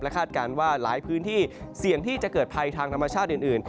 คาดการณ์ว่าหลายพื้นที่เสี่ยงที่จะเกิดภัยทางธรรมชาติอื่น